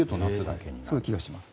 そういう気がします。